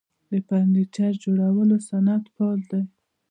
د فرنیچر جوړولو صنعت فعال دی